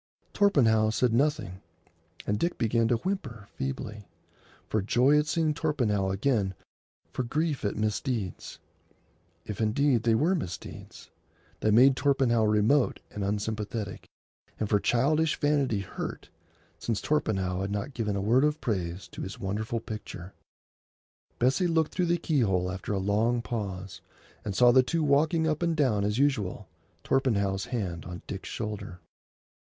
Torpenhow said nothing, and Dick began to whimper feebly, for joy at seeing Torpenhow again, for grief at misdeeds—if indeed they were misdeeds—that made Torpenhow remote and unsympathetic, and for childish vanity hurt, since Torpenhow had not given a word of praise to his wonderful picture. Bessie looked through the keyhole after a long pause, and saw the two walking up and down as usual, Torpenhow's hand on Dick's shoulder.